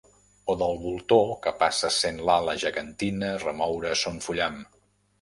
O del voltor que passa sent l'ala gegantina remoure son fullam.